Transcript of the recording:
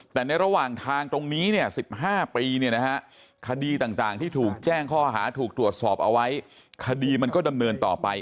แต่ในระหว่างทางตรงนี้เนี่ย๑๕ปีคดีต่างที่ถูกแจ้งข้อหาถูกตรวจสอบเอาไว้คดีมันก็ดำเนินต่อไป